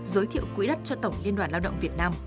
giới thiệu quỹ đất cho tổng liên đoàn lao động việt nam